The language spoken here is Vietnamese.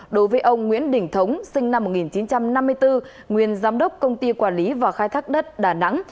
đối với ông nguyễn đình thống sinh năm một nghìn chín trăm năm mươi bốn nguyên giám đốc công ty quản lý và khai thác đất đà nẵng